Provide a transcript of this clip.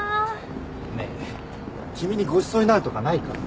ねえ君にごちそうになるとかないから。